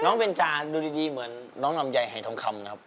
น้องเป็นจานดูดีเหมือนน้องนำใยไห่ทองคำครับ